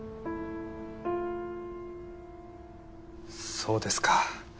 そうですか。